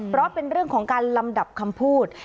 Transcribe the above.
เพราะเป็นเรื่องของการลำดับคำพูด